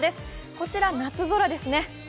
こちら、夏空ですね。